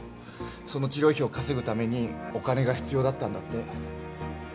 その治療費を稼ぐためにお金が必要だったんだって。